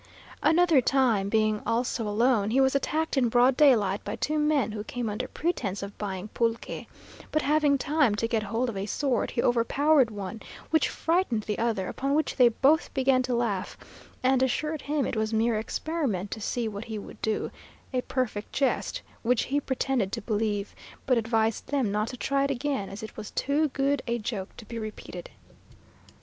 Another time, being also alone, he was attacked in broad daylight by two men who came under pretence of buying pulque; but having time to get hold of a sword, he overpowered one, which frightened the other, upon which they both began to laugh, and assured him it was mere experiment to see what he would do a perfect jest, which he pretended to believe, but advised them not to try it again, as it was too good a joke to be repeated.